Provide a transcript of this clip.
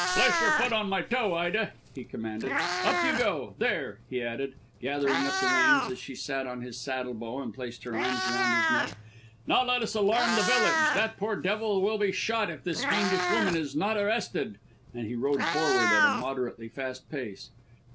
"Place your foot on my toe, Ida," he commanded; "up you get. There," he added, gathering up the reins as she sat on his saddle bow and placed her arms round his neck; "now let us alarm the village. That poor devil will be shot if this fiendish woman is not arrested." And he rode forward at a moderately fast pace.